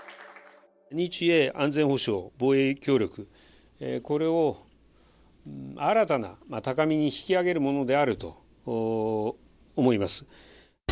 日英安全保障防衛協力、これを新たな高みに引き上げるものであると思います。